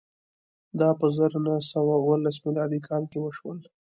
دا په زر نه سوه اوولس میلادي کال کې وشول.